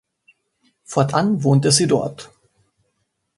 Fortan wohnte sie dort.